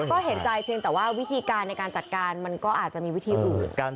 ก็เห็นใจเพียงแต่ว่าวิธีการในการจัดการมันก็อาจจะมีวิธีอื่น